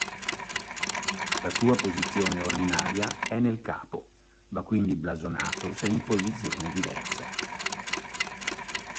La sua posizione ordinaria è nel capo, va quindi blasonato se in posizione diversa.